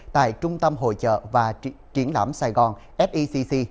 tại trung tâm hội trợ và triển lãm sài gòn secc